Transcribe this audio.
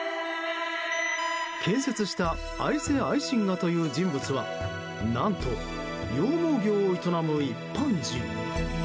建設したアイセ・アイシンガという人物は何と、羊毛業を営む一般人。